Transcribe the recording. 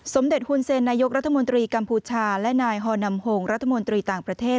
สมเด็จฮุนเซนนายกรัฐมนตรีกัมพูชาและนายฮอนำโฮงรัฐมนตรีต่างประเทศ